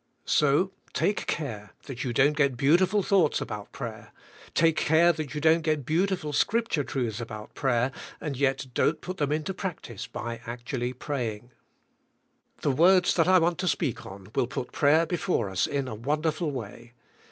So take care that you don't get beau tiful thoughts about prayer; take care that you don't get beautiful Scripture truths about prayer and yet don't put them into practice by actually praying. The words that I want to speak on will put prayer before us in a wonderful way.